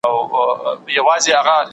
بازار به فعال وي. صنعت به پراخېږي.